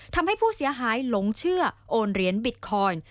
ทำให้ผู้เสียหายหลงเชื่อโอนเหรียญบิตคอยน์